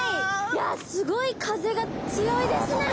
いやすごい風が強いですね。